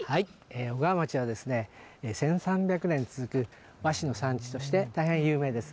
小川町は１３００年続く和紙の産地として大変、有名です。